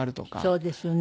そうですよね。